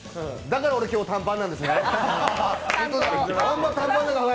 だから今日、俺短パンなんですね。